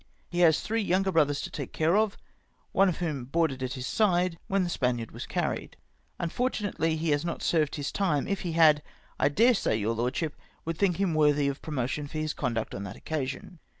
He has three younger brothers to take care of, one of whom boarded at his side* when the Spaniard was carried. Unfortunately he has not served his time ; if he liad I dare say your Lordship would think him worthy of promotion for his conduct on that occa sion.